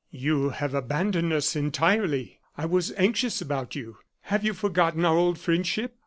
"You have abandoned us entirely; I was anxious about you. Have you forgotten our old friendship?